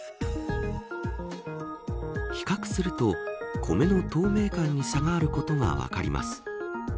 比較すると、コメの透明感に差があることが分かります。